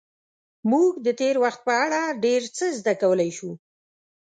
موږ د تېر وخت په اړه ډېر څه زده کولی شو.